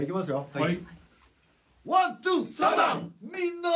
はい。